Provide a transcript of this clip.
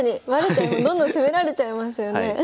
どんどん攻められちゃいますよね。